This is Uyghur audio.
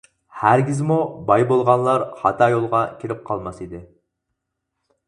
ھەرگىزمۇ باي بولغانلار خاتا يولغا كىرىپ قالماس ئىدى.